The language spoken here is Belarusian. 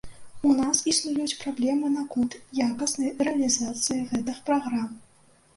У нас існуюць праблемы наконт якаснай рэалізацыі гэтых праграм.